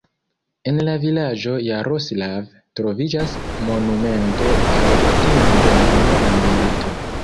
En la vilaĝo Jaroslav troviĝas monumento al viktimoj de la unua mondmilito.